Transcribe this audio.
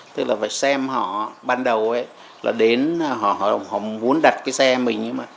tức là phải xem họ ban đầu ấy là đến họ không muốn đặt cái xe mình